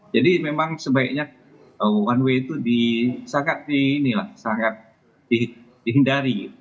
jadi memang sebaiknya one way itu sangat dihindari